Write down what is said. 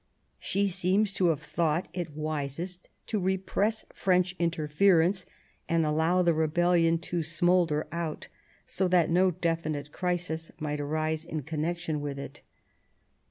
She seems to have thought it wisest to repress French interference, and allow the rebellion to smoulder out, so that no definite crisis might arise in connection with it.